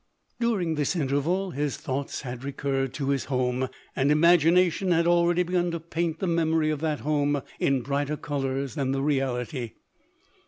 During this interval, his thoughts had re curred to his home; and imagination had already begun to paint the memory of that home, in brighter colours than the reality.